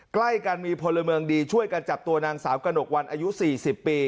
ใกล้กันมีพลเมืองดีช่วยกันจับตัวนางสาวกระหนกวันอายุ๔๐ปี